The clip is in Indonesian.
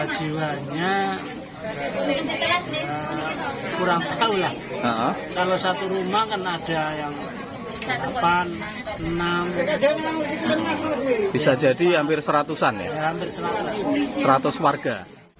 jiwanya kurang tahu lah kalau satu rumah kan ada yang bisa jadi hampir seratus an ya seratus warga